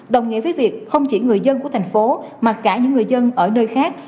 đồng nghĩa với việc không chỉ người dân của thành phố mà cả những người dân ở nơi khác